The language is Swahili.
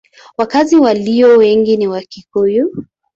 Wakazi walio wengi ni Wakikuyu.